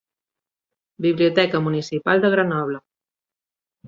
Biblioteca Municipal de Grenoble.